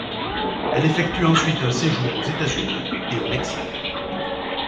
Elle effectue ensuite un séjour aux États-Unis et au Mexique.